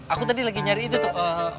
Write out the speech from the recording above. aku tadi lagi nyari itu tuh